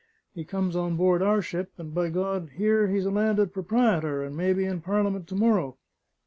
He comes on board our ship, and by God, here he is a landed proprietor, and may be in Parliament to morrow!